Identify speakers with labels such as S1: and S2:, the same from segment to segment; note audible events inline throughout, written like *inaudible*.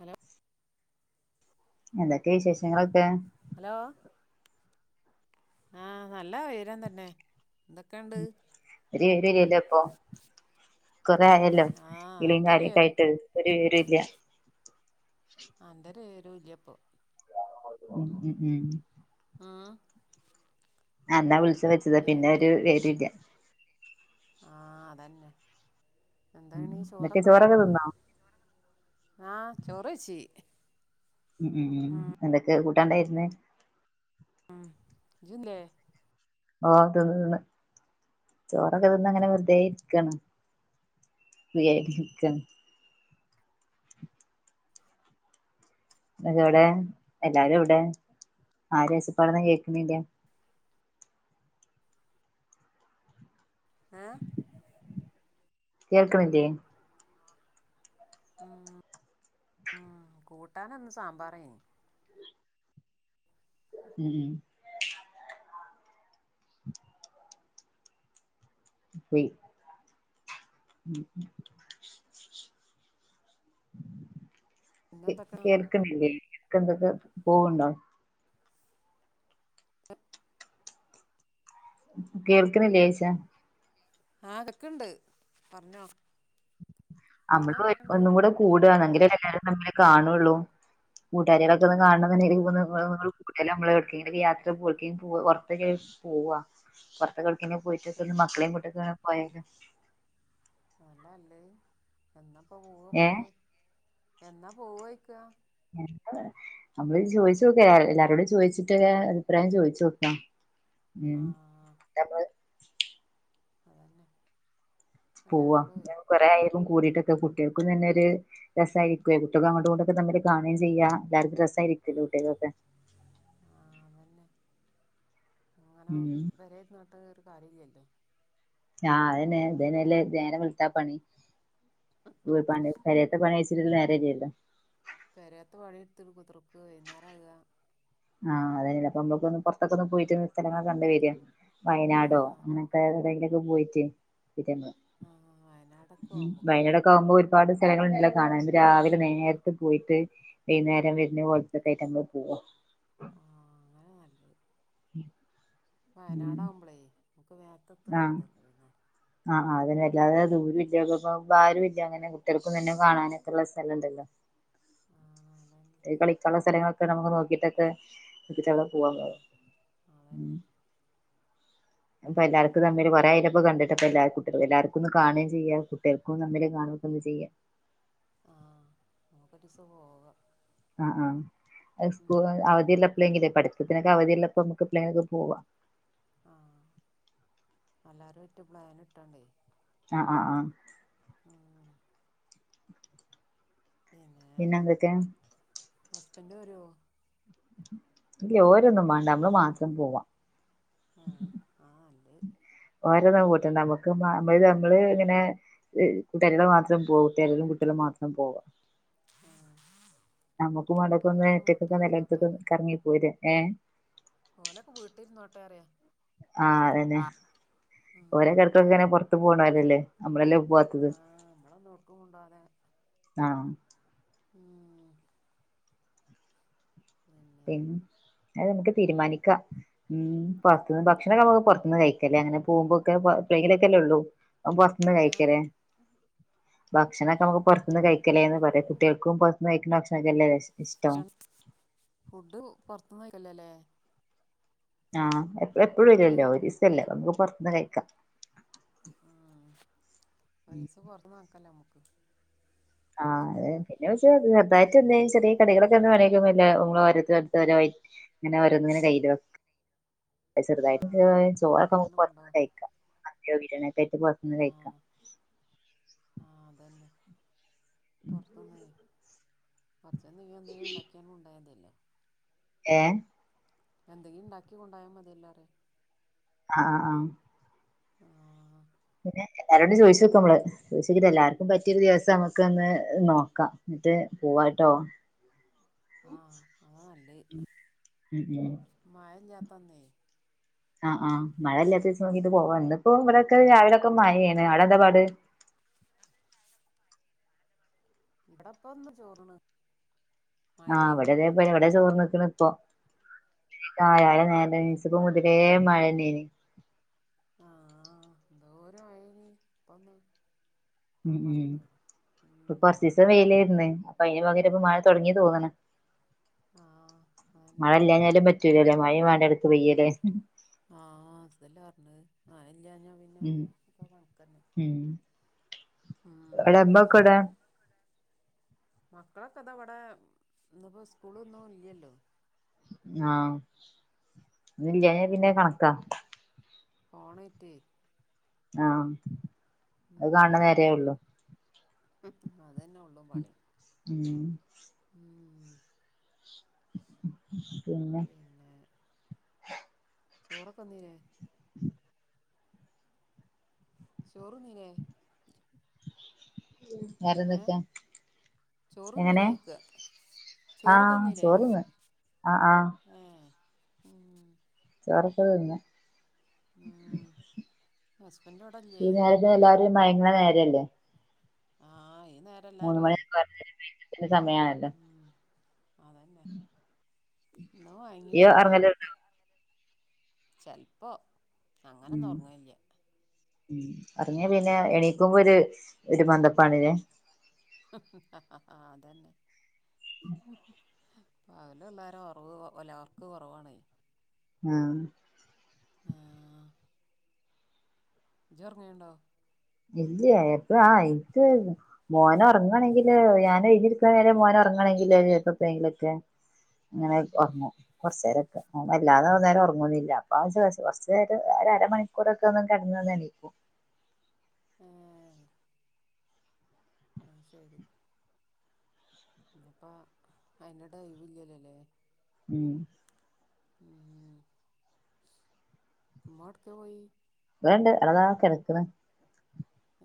S1: അനെ
S2: എന്തൊക്കെ വിശേഷങ്ങളൊക്കെ
S1: ഹലോ ആഹ നല്ല ഉയരം തന്നെ എന്തൊക്കെയുണ്ട്
S2: ഒരുരില്ല ഇപ്പൊ കൊറെ ആയല്ലോ
S1: ആഹ്
S2: ഇളിയും
S1: അന്റൊരു
S2: കാര്യൊക്കെ ആയിട്ട് ഒരു പേര ഇല്ല
S1: അന്റെര്േരുല്യപ്പ
S2: ഉ ഉം ഉം
S1: ഉം
S2: എന്നാ വിളിച്ച വെച്ചത് പിന്നെ ഒരു പേരുല്ല
S1: ആഹ അതന്നെ എന്താണ്
S2: മറ്റേ ചോറക്കെ തിന്ന
S1: ആഹ ചോറച്ച
S2: ഉ ഉം എന്തൊക്കെ കൂട്ടാണ്ടായിുന്ന
S1: ഉം ജുല്ലേ
S2: ഓ അതന്ന് ചോറൊക്കെതിന്ന് അങ്ങനെ വെറുതെ ഇരിക്കണ വിിക്ക നെവിടെ എല്ലാരും ഇവിടെ ആരശപ്പാടന്ന കേക്കണില്ല
S1: ഏഹ്
S2: കേക്കണില്ലയ
S1: ഉ ഉ കൂട്ടാന ഒന്ന് സാമ്പാറേനി
S2: ഉം പോയി ഉം
S1: പിന്നെന്തൊക്കാ
S2: കേൾക്കണല്ലേ കേക്ക എന്തൊക്കെ പോവണ്ടോ കേൾക്കുന്നില്ലേ ചച്ച
S1: ആഹ എടുക്കണ്ട് പറഞ്ഞോ പിന്നെ
S2: നമ്മള്
S1: എന്തൊക്കെണ്ട്
S2: ഒന്നും കൂടെ കൂടുക ഭങ്കര ഇടക്കാരം നമ്മളെ കാണുള്ളൂ കൂട്ടാരികൊക്ക ഒ
S1: ആഹ്
S2: കാണ കൂട്ട നമ്മള് യാത്ര പോ പുറത്തൊ പോവ വറത്തകൾ എനെ
S1: എഹ്
S2: പോയിട്ടക്ക മക്കളെയും കട്ടക്ക പോയല്
S1: ല്ല എന്നപ്പോ
S2: ഏ
S1: എന്നാ പോവയിക്ക
S2: നമ്മള് ചോദിച്ചു നോക്ക എല്ലാരോടും ചോദിച്ചിട്ട് അഭിപ്രായം ചോയിിച്ചു നോക്കാം ഉം
S1: ആഹ് അതന്നെ
S2: പോവാ
S1: എല്ലാരോടുവേ
S2: ഞാൻ കുറെ ആാലും കൂറിട്ട് കുട്ടികൾക്കും തന്നെ ഒരു രസയിരിക്കും കുട്ടക്കെ അങ്ങോട്ട കൊണ്ടൊക്കെ തമ്മര് കാണുകയും ചെയ്യാ എല്ലാവർും രസ്സ ആരിക്കല്ലോ കുട്ടി ആക്കൊക്കെ ഉം
S1: പെരേയിരുന്നിട്ട് ഒരു കാര്യ ഇല്ലല്ലേ
S2: ആ അതെ ഇതല്ലേ നേരം വെളുത്ത പണി പെരേത്തെ പണി കഴിച്ചിട്ട് നേരം ഇല്ലല്ലോ
S1: പെരത്ത പണി എടുത്തി കുതിർക്ക് വൈകുന്നേരം ആകാ
S2: ആഹ് അതെയ അപ്പ നമ്മക്കൊ പുറത്തൊക്ക ഒന്ന് പോയിട്ട്ന്ന് സ്ഥലങ്ങള കണ്ടു വരിക
S1: ആ
S2: വയനാടോ അങ്ങനെയൊക്കെ എടിയിലൊക്കെ പോയിട്ട്
S1: ആ വയനാടൊക്കെ പോവാം നമുക്ക്
S2: വയനാടൊക്കെ ആകുമ്പോ ഒരുപാട് സ്ഥലങ്ങൾ ഉണ്ടല്ലേ കാണാന് രാവിലെ ന്നേരത്ത് പോയിട്ട് വൈകുന്നേരം വരുന്ന കൊലത്തക്കായിട്ട് നമ്മൾ പോക
S1: ആ
S2: ഉം
S1: വയനാടാകുമ്പോളേയ് നമുക്ക് നേരെത്തെ എത്തും
S2: ആഹ്
S1: ചെയ്യാ
S2: ആഹ് അത വല്ലാതെ ദൂര ഇല്ലപ്പ ഭാരും ഇല്ല അങ്ങനെ കുട്ടികൾക്കും തന്നെ കാണാനൊക്കെയള്ള സ്ഥലം ഉണ്ടല്ലോ
S1: ആ അതന്നെ
S2: കളിക്കുള്ള സ്ഥലങ്ങളൊക്കെ നമുക്ക് നോക്കിട്ടൊക്കെ കെട്ടിച്ചവടെ
S1: ആ
S2: പൂവാൻ പറ്യാ ഉം
S1: അതന്നെ
S2: ഇപ്പൊ
S1: പിന്നെ
S2: എല്ലാർക്കും തമ്മില് കൊറേ ആയിലേ ഇപ്പ കണ്ടിട്ട് ട്ടക്കെ എല്ലാർക്കുട്ട് ഒ എല്ലാർക്കൊന്ന് കാണേം ചെയ്യാ കുട്ടിയേൾക്കും തമ്മില് കാണു ഒക്കൊന്ന് ചെയ്യാ.
S1: ഒരീസം പോവ
S2: ആഹ് ആഹ് അത് സ്കൂ
S1: ഉം,
S2: അവധില്ലപ്പളേങ്കിലേ പഠി ക്ക്പ്പിനൊക്ക അവധിയല്ലപ്പോ നമുക്ക് എപ്ലേങ്ലൊക്കെ പോവാ.
S1: അല്ലാരേറ്റും പ്ലാന് ഇട്ടാണ്ടേ
S2: ആഹ് ആഹ് ആഹ്
S1: ഉം, പിന്നെ
S2: പിന്നന്തെക്കേ?
S1: ഹസ്ബൻഡ് വരോ?
S2: ഇല്ല്യ ഓരൊന്നും വാണ്ട അമ്മള് മാത്രം പോവാ.
S1: ഉം ആഹ് അല്ലത്
S2: ഓരൊന്നും കൂട്ടണ്ട അമ്മക്ക് മ *unintelligible* നമ്മള് ങ്ങനെ കൂട്ടാരിയോള് മാത്രം പോവും തെരലും കു വീട്ടില് മാത്രം പോവാ.
S1: ആ
S2: നമ്മക്കും വാണ്ടപ്പൊന്ന്
S1: ഓലൊക്കെ
S2: ഒറ്റക്കൊക്കെ
S1: വീട്ടിലിരുന്നോട്ടെ
S2: എല്ലോട്ത്ത്ക്കും
S1: അറിയ
S2: കറങ്ങി പോര. ഏഹ്
S1: ഓലൊക്കെ വീട്ടിര്ന്നോട്ടെ അറ്യ.
S2: ആഹ് അതന്നെ
S1: ഉം
S2: ഓരടെക്കൊക്കെങ്ങനെ പൊറത്ത് പോണോരല്ലേ നമ്മളല്ലെ വാത്തത്
S1: ആഹ് നമ്മളൊന്നും എവ്ട്ക്കും കൊണ്ടോവാതെ
S2: ആഹ്.
S1: ഉം പിന്നെ
S2: പിൻ അത് നമുക്ക് തീരുമാനിക്ക ഉം പൊറത്തുന്ന്
S1: ആഹ്
S2: ഭക്ഷണക്കെ നമ്മക്ക് പൊറത്തുന്ന് കഴി ക്കല്ലേ അങ്ങനെ പോവുമ്പോക്കെ എപ്പളേങ്കിലൊക്കല്ലേ ഉള്ളൂ അത് പൊറത്ത്ന്ന്
S1: ഏഹ് ഏഹ്
S2: കഴിക്കലേ. ഭക്ഷണൊക്കെ നമുക്ക് പൊറത്ത്ന്ന് കഴിക്കലേന്ന് പറ്യാ കുട്ടികൾക്കും പൊറത്ത്ന്ന് കഴിക്കുന്ന ഭക്ഷണൊക്കല്ലേ ഇ ഇഷ്ടം
S1: ഫുഡും പൊറത്ത്ന്ന് കഴിക്കല്ലലേ
S2: ആഹ് എപ്പഴും എപ്പഴും വരൊല്ലോ ഒരീസല്ലേ അനമുക്ക് പൊറത്ത്ന്ന് കഴിക്കാ.
S1: ഉം ഒരീസം പൊറത്ത്ന്ന്ക്കല്ല അമുക്ക്.
S2: ആഹ് ലെ പിന്നെ പക്ഷേ ചെറുതായിട്ട് എന്തേലും പിന്നെ ഓയ്ച്ച ചെർതായിട്ട് എന്തേം ചെറിയ കടികളൊക്കെ *unintelligible* ഇങ്ങനെ ഓരോ ങ്ങനെ കയ്യില് വെക്കാ ചെറ്തായിട്ട്
S1: ആഹ്
S2: ഇതേമാരി ചോറൊക്കെ മ്മക്ക്
S1: ഇണ്ടാക്കിയാണ്ട്
S2: പൊറത്ത്ന്ന്
S1: കൊണ്ടോവാ
S2: കഴിക്കാ *unintelligible* പൊർത്ത്ന്ന് കഴിക്കാ
S1: ആഹ് ആഹ് അതെ പൊർത്ത്ന്നെ കൊർച്ച് എന്തേം എന്തെങ്കിലും ഇണ്ടാക്ക്യണ്ട് കൊണ്ടോയ മതില്ലോ
S2: ഏ
S1: എന്തെങ്കിലും ഇണ്ടാക്കി കൊണ്ടോയ മതിയല്ലോ അറിയാ
S2: ആഹ് ആഹ് ആഹ്
S1: ആഹ്
S2: പിന്നെ എല്ലാരോടും ചോയിച്ച്ക്ക നമ്മള് ചോയിച്ചോക്കിട്ട് എല്ലാർക്കും പറ്റിയൊരു ദിവസം നമുക്കൊന്ന് എ് നോക്കാം ന്നിട്ട് പോവാട്ടോ
S1: ആഹ് അതാനല്ല്
S2: ഉം ഉം
S1: മയ ഇല്ലാത്തൊന്നെ
S2: ആഹ് ആഹ് മഴല്ലാത്ത ഒരീസം നോക്കീട്ട് പോവ ഇന്നിപ്പോ ഇവിടൊക്കെ
S1: ഉം
S2: രാവിലൊക്കെ മഴയാണ് അവിടെ എന്താ പാട് *inaudible*
S1: ഇവിടെപ്പൊന്ന് ചോർന്ന്
S2: ആഹ് ഇവിടതേപ്പ ഇവിടെ ചോർ ന്ക്കണ് ഇപ്പൊ ആ രാലെ നേരെ
S1: ഏഹ്
S2: എൻച്ചപ്പോ മുതലേ മഴന്നെന്
S1: ആഹ് എന്തോരം മഴേനി ഇപ്പൊന്ന്
S2: ഉം ഉം
S1: അമർന്ന്
S2: ഇപ്പോ
S1: ഉം
S2: കൊറച്ചീസം വെയിലായിരുന്ന് അപ്പൊ അയിന് പകരം ന്ന് മഴ തൊടങ്ങി തോന്നണ്
S1: ആഹ്
S2: മഴ
S1: അതന്നെ
S2: ഇല്ലാ ഞ്ഞാലും പറ്റ ല്ലാലേ മഴയും വേണ്ട അടുത്ത് പെയ്യൂല്ലേ
S1: ആഹ് സ്തല്ല പറഞ്ഞത് മഴല്ലാഞ്ഞ പിന്നെ
S2: ഉം
S1: ഒക്കെ കണക്കന്നെ ഉം
S2: എടെ മ്പക്കടേ
S1: മക്കളൊക്കെ അതാ ഇവടെന്ന് ഇപ്പോ സ്കൂളൊന്നും ഇല്ല്യല്ലോ
S2: ആഹ് ഞില്യാഞ്ഞ പിന്നെ കണക്കാ
S1: ഫോണാറ്റേ
S2: ആഹ് അത് കാണണ നേരേ ഉള്ളു
S1: പ്പത്തുംപാ
S2: ഉം
S1: ഉം
S2: പിന്നെ
S1: ചോറൊക്കെന്നീലെ ചോറുന്നീലേ
S2: ഉം വേറെന്തൊക്കാ
S1: ചൊറുന്നീലെയ്ക്കാ
S2: ആഹ് ചോറിന്ന് ആഹ് ആഹ്
S1: ഏ ഉം
S2: ചൊറക്ക തിന്ന്
S1: ഉം ഹസ്ബൻഡ് ഇവിടല്ലേ
S2: ഈ നേരത്തെ എല്ലാരും മയങ്ങണ നേരല്ലേ
S1: ആഹ് ഈ നേരം
S2: മൂന്ന്
S1: എല്ലാരുവേ
S2: മണിന്ന് പറഞ്ഞാൽ മയക്കത്തിന്റെ സമയാണല്ലോ
S1: ഉം അതന്നെ എന്നാ
S2: ഇയ്യ്
S1: മയാങ്ങിട്ടുവില്ല
S2: ഒറങ്ങലുണ്ടോ
S1: ചിലപ്പോ അങ്ങനെന്നും
S2: ഉം
S1: ഉറങ്ങലില്ല
S2: ഉം അതെന്ന പിന്നെ എണീക്കുമ്പൊ ഒരു ഒരു മന്ദപ്പാണില്ലേ
S1: അതന്നെ പാവല ഉള്ളോര് ഉറവ് അല്ല ഉറക്ക്‌ കുറവാണ്
S2: ആഹ്
S1: ആഹ് ജ്ജ് ഉറങ്ങിണ്ട
S2: ഇല്ല എപ്പ ആ എനിക്ക് മോന് ഉറങ്ങണെങ്കില് ഞാൻ എഴുതിരിക്കുനേരെ മോന് ഉറങ്ങ ങ്ങണെങ്കില് *unintelligible* അങ്ങനെ ഉറങ്ങു കൊറച്ച് നേരൊക്കെ ഇല്ലാതെന്ന നേരം ഉറങ്ങോന്നുല അപ്പ കൊറുച്ച് നേര ഒരു അരമണിക്കൂറൊക്കെ ഒന്നു കിടന്നോന്ന് എണിക്കും
S1: ഏഹ് അത് ശരി ഇനിപ്പ അയിന്റെ ഡൈവ് ഇല്ലല്ലോ ല്ലേ
S2: ഉം
S1: ഉം ഉമ്മെവിടെക്കാ പോയി
S2: ഇവിടണ്ട് അതാ കിടക്ക്‌ണ്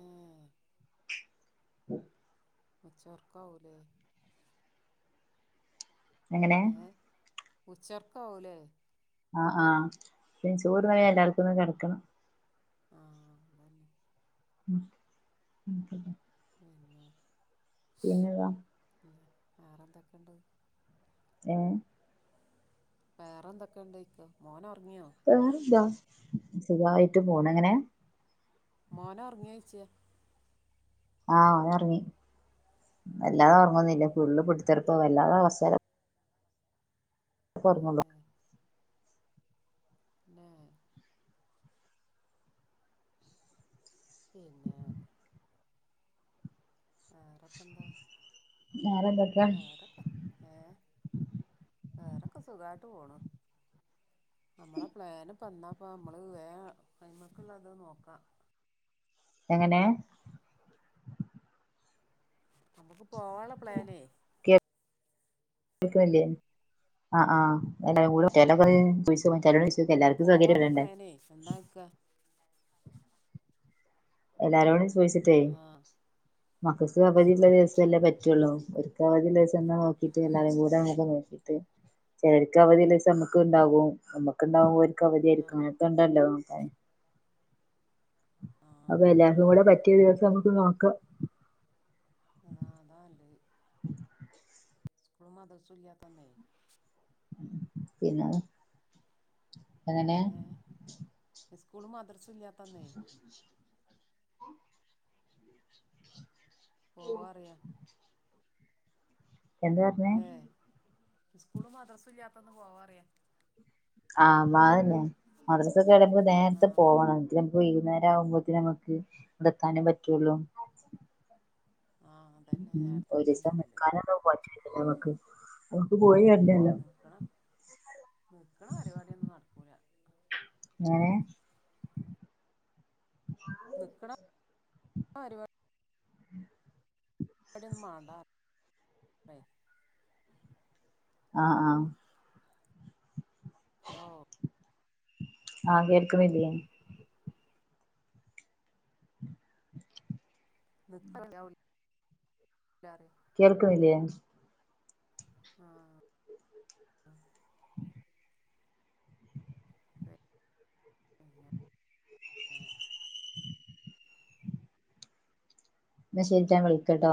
S1: ഏഹ്
S2: *inaudible*
S1: ഉച്ച ഉറക്കവുല്ലേ
S2: എങ്ങനെ
S1: ഉച്ചോർക്കാവുലേ
S2: ആഹ് ആഹ് പിന്നെ ചോറ് *unintelligible* എല്ലാവർക്കുന്ന് കിടക്കണം
S1: ആഹ് അതന്നെ
S2: *unintelligible*
S1: പിന്നെ
S2: പിന്നെത
S1: വേറെ എന്തൊക്കെയുണ്ട്
S2: ഏഹ്
S1: വേറെന്തൊക്കെണ്ട്ക്ക മോനോ
S2: വേറെന്താ സുഖായിട്ട് പോണ്‌ ഇങ്ങനെ
S1: മോന് ഉറങ്ങിയഴ്ച്ച
S2: ആഹ് ഓൻ ഉറങ്ങി
S1: ഏ
S2: അല്ലാതെ ഉറങ്ങൊന്നില്ല ഫുള്ള് പ *unintelligible* വല്ലാത അവസരം
S1: ഏ
S2: ഉർങ്ങുലാ
S1: *unintelligible* പിന്നെ വേറെ ഇപ്പന്താ
S2: വേറെന്തൊക്കെ
S1: വേറെക്ക ഏഹ് വേറൊക്കെ സുഖായിട്ട് പോണു നമ്മളെ പ്ലാന് പന്നപ്പ നമ്മള് വേ അയ്മക്കുള്ളത് നോക്കാം
S2: എങ്ങനെ
S1: നമുക്ക് പോവോള പ്ലാന്
S2: കേക്കുന്നില്ലേ ആഹ് ആഹ് *unintelligible* സൗകര്യം
S1: പോവള്ള
S2: വരണ്ടേ
S1: പ്ലാനെ എന്താക്ക
S2: എല്ലാരോടും ചോദിച്ചിട്ടേ
S1: ആ
S2: മക്ക അവധിയുള്ള
S1: മിസ്സമ്മക്കെ
S2: ദിവസല്ലേ പറ്റുള്ളൂ ചതിേ ചാ നോക്കിട്ട് എല്ലാരും കൂടക്കെ നോക്കിട്ട് ചിലർക്ക് അവധില്ല നമ്മുക്ക് ഉണ്ടാാവും നമ്മുക്ക്ുണ്ടാാവും
S1: ആ
S2: അവധായിരിക്കും അക്കണ്ടല്ലോ നക്ക
S1: ആ
S2: അപ്പൊ
S1: അതന്നെ
S2: എല്ലാർക്കും കൂടെ പറ്റിയ ദിവസം നമക്ക് നോക്കാം
S1: അതതാ ഉണ്ട് സ്കൂള മാ ദസൂലയാത്തന്നെയ
S2: പിന്നെ എങ്ങനെ
S1: സ്കൂള് മദർസ ഇല്ലാത്ത തന്നെ പോവറിയ
S2: എന്ത് പറഞ്ഞേ
S1: സ്കൂള് മദ്രാസ ഇല്ലാത്ത ഒന്ന് പോവാ അറിയാ
S2: ആ്തിന്നെ മദ്രസൊക്കെ എടു്പ നേരത്തെ
S1: ആഹ്
S2: പോകണെങ്കിലും വൈകുന്നേരം ആകുമ്പോത്തേ നമുക്ക് എതെത്താനേ പറ്റുള്ളൂ
S1: ആഹ് അതന്നെ
S2: ഉ
S1: നേരത്തെ
S2: ഒരു
S1: എത്തേണ്ടി
S2: ദസം
S1: വരല്ലോ
S2: നിൽക്കാനന്ന പോറ്റല്ല നമക്ക്
S1: നക്കണം നിക്കണ പരിപാടിൊന്നും നടക്കൂല
S2: ഞ
S1: നിക്കണം പപാടി
S2: ഉം
S1: അടെൊന്നന്ന് മണ്ടാ
S2: ആഹ ആഹ
S1: ഹലോ
S2: ആഹ് കേൾക്കുന്നില്ലയേ
S1: ന
S2: കേൾക്കുന്നില്ലേ
S1: ആഹ ഉം
S2: *unintelligible* മ ശേട്ടാൻ വിളിക്കട്ടോ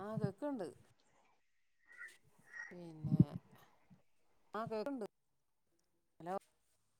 S1: ആഹ കേെക്കണ്ട് ആ കേണ്ട് ഹലോ